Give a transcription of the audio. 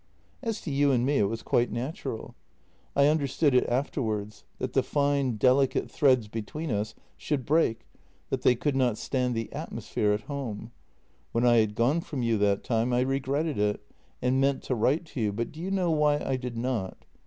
" As to you and me — it was quite natural. I understood it afterwards — that the fine, delicate threads between us should break, that they could not stand the atmosphere at home. When I had gone from you that time I regretted it, and meant to write to you, but do you know why I did not?